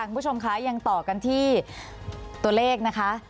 คุณผู้ชมคะยังต่อกันที่ตัวเลขนะคะ